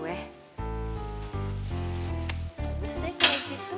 terus deh kayak gitu